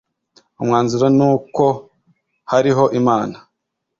umwanzuro nu uko hariho Imana